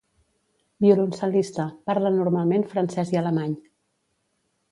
Violoncel·lista, parla normalment francès i alemany.